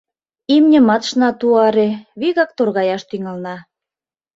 Имньымат ышна туаре, вигак торгаяш тӱҥална.